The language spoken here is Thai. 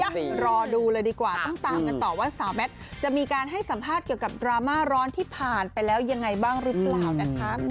ต้องตามกันต่อกันว่าสาวแมทจะมีการให้สัมภาษณ์เกี่ยวกับดราม่าร้อนที่ผ่านไปแล้วยังไงบ้างรึเปล่า